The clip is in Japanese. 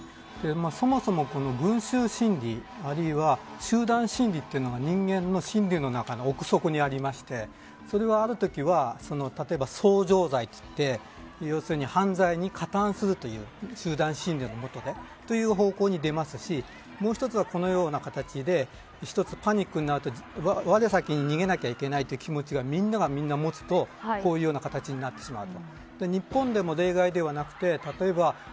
そもそも、群集心理、あるいは集団心理というのが人間の心理の奥底にありましてそれはある時は例えば騒擾罪といって犯罪に加担するという集団心理のもとでという方向に出ますしもう一つは、このような形でパニックになると我先に逃げなければいけないという気持ちがみんながみんな持つとこういうような形になってしまう。